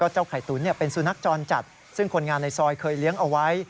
เจ้าไข่ตุ๋นเป็นสุนัขจรจัดซึ่งคนงานในซอยเคยเลี้ยงเอาไว้